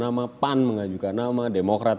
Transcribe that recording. nama pan mengajukan nama demokrat